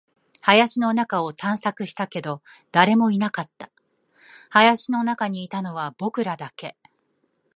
林の中を探索したけど、誰もいなかった。林の中にいたのは僕らだけ。